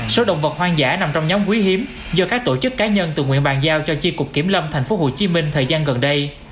số động vật hoang dã nằm trong nhóm quý hiếm do các tổ chức cá nhân tự nguyện bàn giao cho chi cục kiểm lâm tp hcm thời gian gần đây